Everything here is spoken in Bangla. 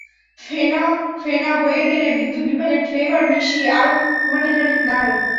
ফেনা ফেনা হয়ে গেলে বিদ্যুৎ বিভাগের ফ্লেভার মিশিয়ে আরও ঘণ্টা খানেক নাড়ুন।